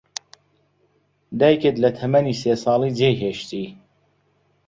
دایکت لە تەمەنی سێ ساڵی جێی هێشتی.